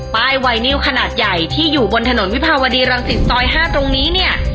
ไวนิวขนาดใหญ่ที่อยู่บนถนนวิภาวดีรังสิตซอย๕ตรงนี้เนี่ย